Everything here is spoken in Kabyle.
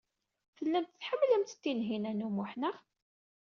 Tellamt tḥemmlemt Tinhinan u Muḥ, naɣ?